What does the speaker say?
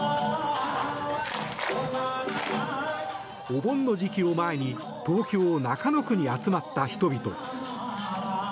お盆の時期を前に東京・中野区に集まった人々。